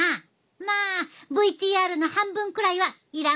まあＶＴＲの半分くらいはいらんかったけどな！